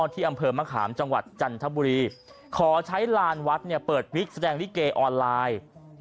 ที่อำเภอมะขามจังหวัดจันทบุรีขอใช้ลานวัดเปิดวิกแสดงลิเกออนไลน์